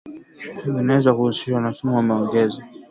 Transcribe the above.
vinaweza kuhusishwa na sumu, wameongeza